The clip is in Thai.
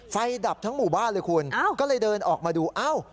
ไฟดับทั้งหมู่บ้านเลยคุณแบบนั้นก็เลยเดินออกมาดูจริงอยู่